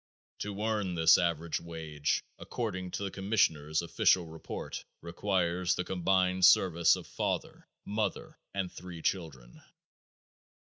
To earn this average wage, according to the commissioner's official report, requires the combined service of father, mother and three children.